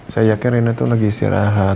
saya yakin rena itu lagi istirahat